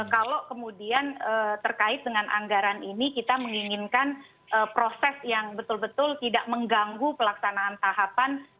kalau kemudian terkait dengan anggaran ini kita menginginkan proses yang betul betul tidak mengganggu pelaksanaan tahapan